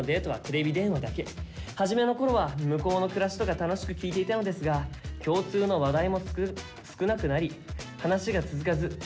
初めのころは向こうの暮らしとか楽しく聞いていたのですが共通の話題もすく少なくなり話が続かず気まずい空気になってしまいます」。